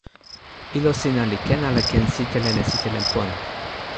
ilo sina li ken ala ken sitelen e sitelen pona?